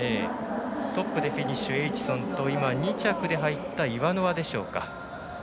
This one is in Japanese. トップでフィニッシュエイチソンと２着で入ったイワノワでしょうか。